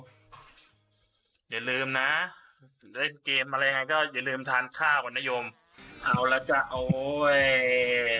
ไทยเฮอย่าลืมนะเล่นเกมอะไรไงก็อย่าลืมทานข้าวกับน่ายมเอาแล้วจ้ะเอ้ย